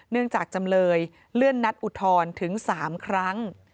จากจำเลยเลื่อนนัดอุทธรณ์ถึง๓ครั้ง